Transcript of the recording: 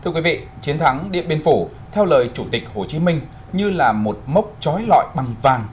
thưa quý vị chiến thắng điện biên phủ theo lời chủ tịch hồ chí minh như là một mốc chói lọi bằng vàng